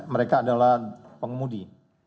mereka adalah pengemudi